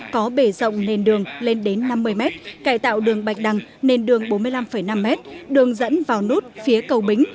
có bể rộng nền đường lên đến năm mươi mét cải tạo đường bạch đăng nền đường bốn mươi năm năm m đường dẫn vào nút phía cầu bính